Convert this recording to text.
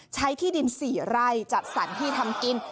ที่ดิน๔ไร่จัดสรรที่ทำกิน